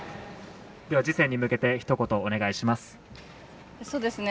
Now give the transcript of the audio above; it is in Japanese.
次戦に向けてひと言お願いします。